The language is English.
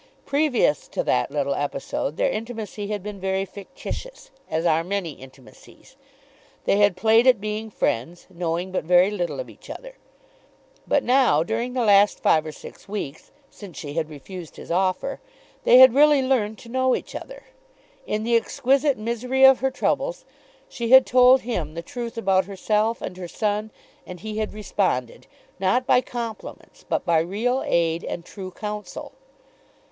Previous to that little episode their intimacy had been very fictitious, as are many intimacies. They had played at being friends, knowing but very little of each other. But now, during the last five or six weeks, since she had refused his offer, they had really learned to know each other. In the exquisite misery of her troubles, she had told him the truth about herself and her son, and he had responded, not by compliments, but by real aid and true counsel.